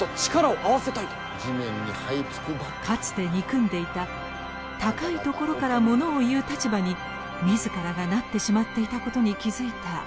かつて憎んでいた高いところからものを言う立場に自らがなってしまっていたことに気付いた栄一は。